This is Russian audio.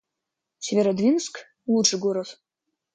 Северодвинск — лучший город